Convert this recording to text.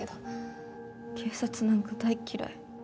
警察なんか大嫌い。